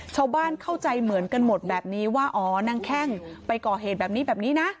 ชาวบ้านเข้าใจเหมือนกันหมดแบบนี้ว่าอ๋อนางแข้งไปก่อเหตุแบบนี้แบบนี้นะ